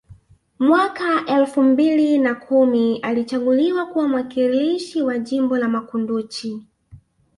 Mwaka elfu mbili na kumi alichaguliwa kuwa mwakilishi wa jimbo la Makunduchi